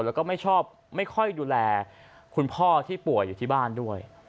แล้วก็ไม่ชอบไม่ค่อยดูแลคุณพ่อที่ป่วยอยู่ที่บ้านด้วย